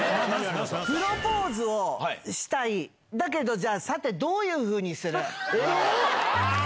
プロポーズをしたい、だけど、じゃあさて、どういうふうにする。